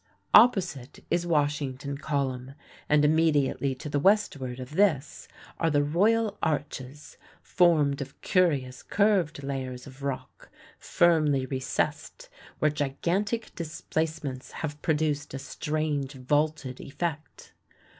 Opposite is Washington Column, and immediately to the westward of this are the Royal Arches, formed of curious curved layers of rock, firmly recessed, where gigantic displacements have produced a strange vaulted effect.